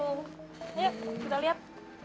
yuk kita lihat